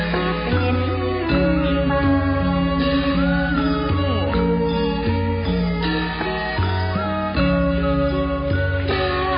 ทรงเป็นน้ำของเรา